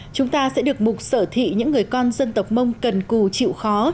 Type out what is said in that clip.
chúng ta sẽ được mục sở thị những người con dân tộc mông cần cù chịu khó